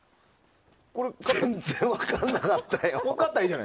全然分からなかったよ。